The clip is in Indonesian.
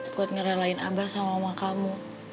buat ngeralain abah sama mama kamu